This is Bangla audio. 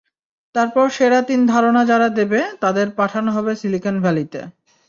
তারপর সেরা তিন ধারণা যারা দেবে, তাদের পাঠানো হবে সিলিকন ভ্যালিতে।